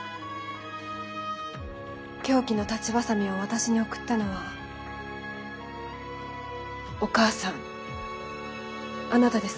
凶器の裁ちバサミを私に送ったのはお母さんあなたですね？